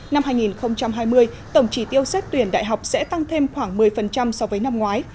năm hai nghìn hai mươi tổng trí tiêu xét tuyển đại học sẽ tăng thêm khoảng một mươi so với năm ngoái